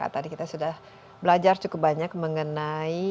tadi kita sudah belajar cukup banyak mengenai